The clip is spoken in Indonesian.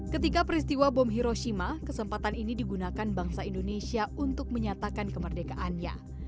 ketika peristiwa bom hiroshima kesempatan ini digunakan bangsa indonesia untuk menyatakan kemerdekaannya